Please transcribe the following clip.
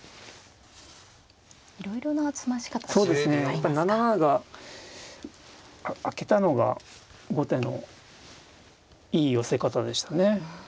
やっぱり７七が空けたのが後手のいい寄せ方でしたね。